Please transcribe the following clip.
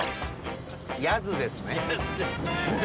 ヤズです。